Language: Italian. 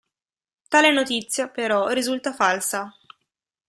Tale notizia, però, risulta falsa.